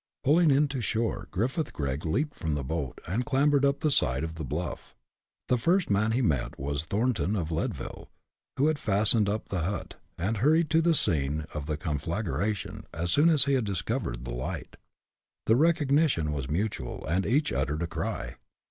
Pulling in to shore, Griffith Gregg leaped from the boat, and clambered up the side of the bluff. The first man he met was Thornton of Leadville, who had fastened up the hut, and hurried to the scene of the conflagration, as soon as he had discovered the light. The recognition was mutual, and each uttered a cry.